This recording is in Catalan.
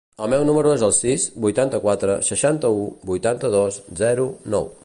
El meu número es el sis, vuitanta-quatre, seixanta-u, vuitanta-dos, zero, nou.